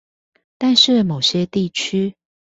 但是某些地區